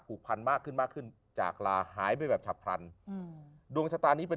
ผูกพันมากขึ้นมากขึ้นจากราหายไปแบบฉับพันดวงชะตานี้เป็น